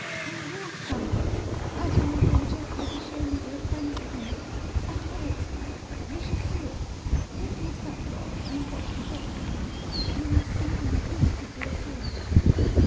"They will come! Adam will bring Geoffrey to show me they are friends again. I know it; you shall see it. Lift me to that block and watch the deck with me that we may see them the instant they appear."